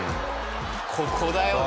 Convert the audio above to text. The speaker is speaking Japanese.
ここだよね。